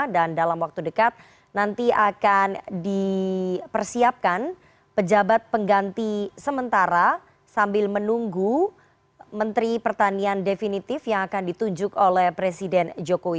dan dalam waktu dekat nanti akan di persiapkan pejabat pengganti sementara sambil menunggu menteri pertanian definitif yang akan ditujuk oleh presiden jokowi